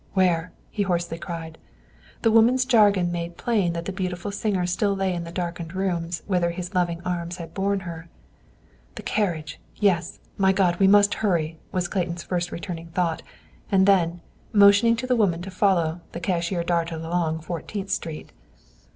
"Where?" he hoarsely cried. The woman's jargon made plain that the beautiful singer still lay in the darkened rooms whither his loving arms had borne her. "The carriage, yes; my God, we must hurry!" was Clayton's first returning thought; and then, motioning to the woman to follow, the cashier darted along Fourteenth Street.